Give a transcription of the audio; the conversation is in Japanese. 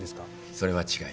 それは違います。